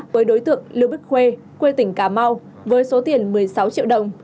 với đối tượng lưu bích khuê quê tỉnh cà mau với số tiền một mươi sáu triệu đồng